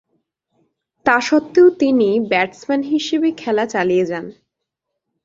তাসত্ত্বেও তিনি ব্যাটসম্যান হিসেবে খেলা চালিয়ে যান।